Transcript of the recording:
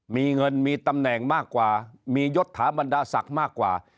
มีเงินมีตำแหน่งมากกว่ามียศถาบรรดาศักดิ์มากกว่า